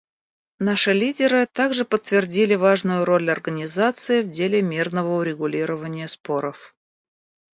Наши лидеры также подтвердили важную роль Организации в деле мирного урегулирования споров.